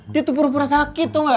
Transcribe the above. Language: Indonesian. dia tuh pura pura sakit tuh gak